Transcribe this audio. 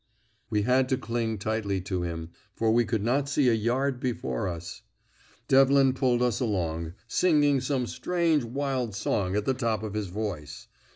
We had to cling tightly to him, for we could not see a yard before us. Devlin pulled us along, singing some strange wild song at the top of his voice.